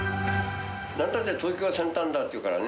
なんたって東京は先端だっていうからね。